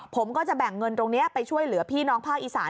ผมก็จะแบ่งเงินตรงนี้ไปช่วยเหลือพี่น้องภาคอีสาน